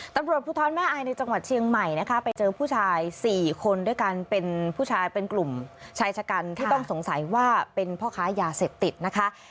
ตำรวจภูทรแม่อายในจังหวัดเชียงใหม่นะคะไปเจอผู้ชาย๔คนด้วยกันเป็นผู้ชายเป็นกลุ่มชายชะกันที่ต้องสงสัยว่าเป็นพ่อค้ายาเสพติดนะคะ